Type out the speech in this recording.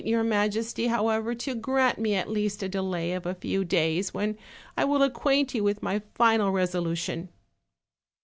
197 your majesty, however, to grant me at least a delay of a few days, when I will acquaint you with my final resolu tion."